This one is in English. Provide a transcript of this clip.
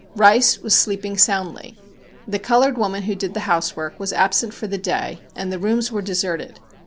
Rice was sleeping soundly. The colored woman who did the housework was absent for the day and the rooms were deserted.